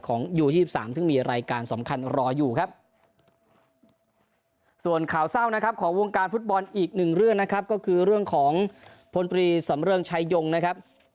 ของวงการฟุตบอลอีกหนึ่งเรื่องนะครับก็คือเรื่องของพลปรีสำเรื่องไชยงนะครับ